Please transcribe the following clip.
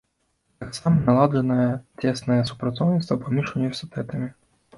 Таксама наладжанае цеснае супрацоўніцтва паміж універсітэтамі.